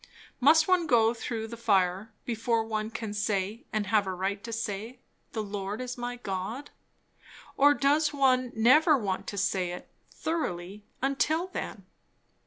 Must one go through the fire, before one can say and have a right to say, "The Lord is my God"? or does one never want to say it, thoroughly, until then?